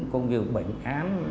cũng như bệnh án